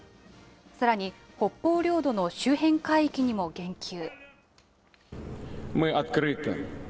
さらに、北方領土の周辺海域にも言及。